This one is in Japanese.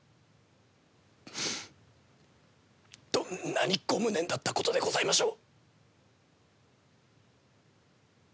どんなにご無念だったことでございましょう。